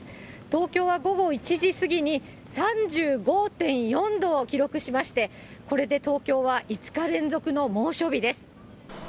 東京は午後１時過ぎに、３５．４度を記録しまして、これで東京は５日連続の猛暑日です。